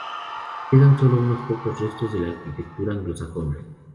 Quedan solo unos pocos restos de la arquitectura anglosajona.